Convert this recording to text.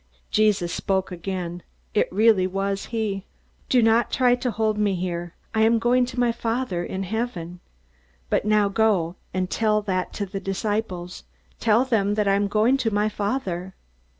Jesus spoke again. It was really he. "Do not try to hold me here. I am going to my Father in heaven. But now go and tell that to the disciples. Tell them that I am going to my Father."